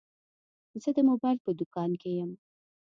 زه د موبایل په دوکان کي یم.